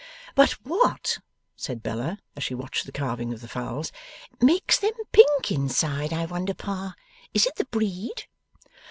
'But what,' said Bella, as she watched the carving of the fowls, 'makes them pink inside, I wonder, Pa! Is it the breed?